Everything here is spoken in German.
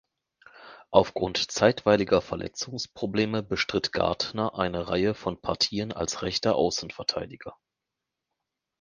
Aufgrund zeitweiliger Verletzungsprobleme bestritt Gardner eine Reihe von Partien als rechter Außenverteidiger.